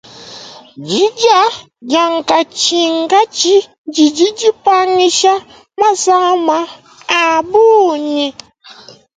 Didia dia nkatshinkatshi didi dipangisha masama a bungi.